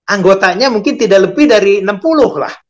anggotanya mungkin tidak lebih dari enam puluh lah